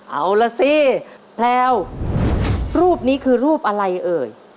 เอาล่ะสิแพลวรูปนี้คือรูปอะไรเอ่ย